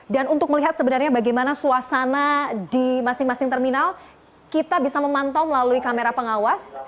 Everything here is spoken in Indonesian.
dan untuk melihat sebenarnya bagaimana suasana di masing masing terminal kita bisa memantau melalui kamera pengawas